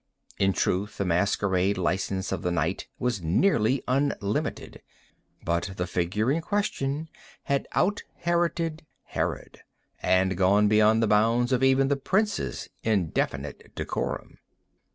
In truth the masquerade license of the night was nearly unlimited; but the figure in question had out Heroded Herod, and gone beyond the bounds of even the prince's indefinite decorum.